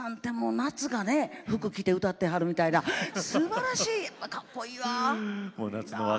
夏が服を着て歌っているようなすばらしい、かっこいいわ。